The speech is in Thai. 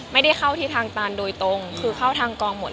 ไม่ได้เข้าที่ทางตานโดยตรงคือเข้าทางกองหมด